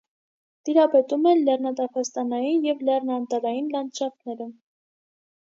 Տիրապետում են լեռնատափաստանային և լեռնաանտառային լանդշաֆտները։